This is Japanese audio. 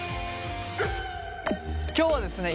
今日はですね